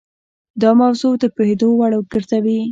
دا موضوع د پوهېدو وړ ګرځوي.